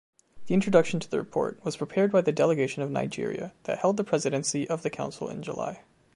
The introduction to the report was prepared by the delegation of Nigeria that held the presidency of the Council in July.